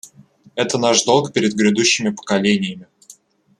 Это наш долг перед грядущими поколениями.